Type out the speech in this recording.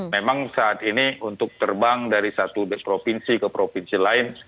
memang saat ini untuk terbang dari satu provinsi ke provinsi lain